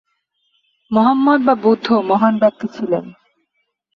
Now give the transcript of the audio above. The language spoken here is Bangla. মুহাম্মদ বা বুদ্ধ মহান ব্যক্তি ছিলেন।